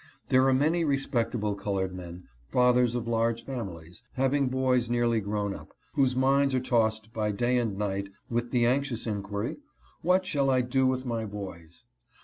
There are many respectable colored men, fathers of large families, having boys nearly grown up, whose minds are tossed by day and by night with the anxious inquiry, What shall I do with my boys?